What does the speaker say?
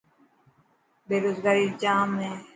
بيروزگاري ڄام هي.